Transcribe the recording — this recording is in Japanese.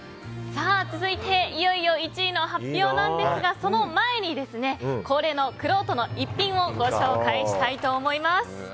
さあ続いていよいよ１位の発表ですがその前に恒例のくろうとの逸品をご紹介したいと思います。